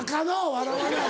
笑わない！